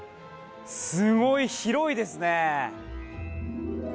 すごい広いですね！